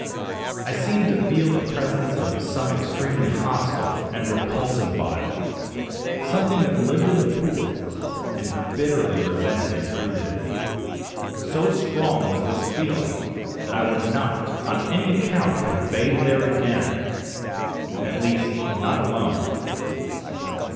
I seemed to feel the presence of some extremely hostile and repulsive body something that lived in the pool and bitterly resented intrusion. So strong was this feeling that I would not on any account have bathed there again at least, not alone.